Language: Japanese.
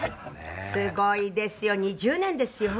すごいですよ２０年ですよ。